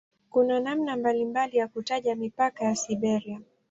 Kuna namna mbalimbali ya kutaja mipaka ya "Siberia".